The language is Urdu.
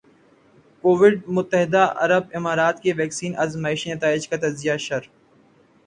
کوویڈ متحدہ عرب امارات کے ویکسین آزمائشی نتائج کا تجزیہ شر